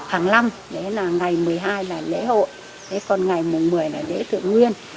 hàng năm ngày một mươi hai là lễ hội còn ngày một mươi là lễ thượng nguyên